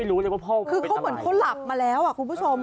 คือเขาเหมือนเขาหลับมาแล้วคุณผู้ชม